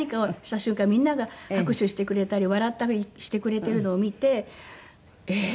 みんなが拍手してくれたり笑ったりしてくれているのを見てええー！